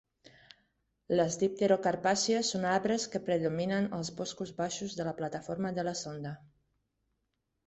Les dipterocarpàcies són arbres que predominen als boscos baixos de la plataforma de la Sonda.